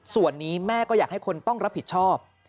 ส่วนนี้แม่ก็อยากให้คนต้องรับผิดชอบ